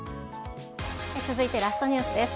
続いてラストニュースです。